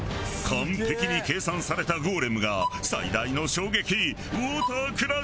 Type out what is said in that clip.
完璧に計算されたゴーレムが最大の衝撃ウォータークラッシュに挑む！